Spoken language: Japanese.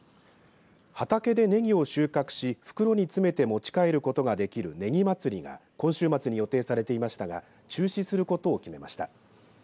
畑でねぎを収穫し袋に詰めて持ち帰ることができるねぎまつりが今週末に予定されていましたが中止することを決めました。